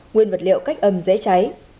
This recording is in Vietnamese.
nguyên vật liệu cách âm dễ cháy